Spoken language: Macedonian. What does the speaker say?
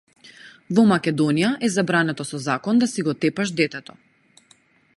Во Македонија е забрането со закон да си го тепаш детето.